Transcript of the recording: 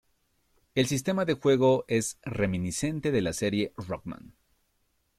El sistema de juego es reminiscente de la serie Rockman.